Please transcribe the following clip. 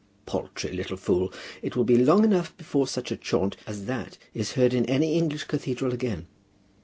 "Paltry little fool! It will be long enough before such a chaunt as that is heard in any English cathedral again."